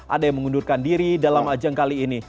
ada yang mengundurkan diri dalam ajang kali ini